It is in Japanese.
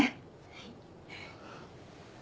はい。